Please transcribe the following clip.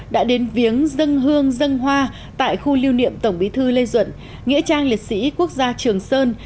đã đến viếng dân hương dân hoa tại khu lưu niệm tổng bí thư lê duận nghĩa trang liệt sĩ quốc gia trường sơn